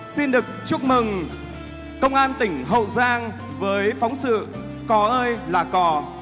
xin được chúc mừng công an tỉnh hậu giang với phóng sự cò ơi là cò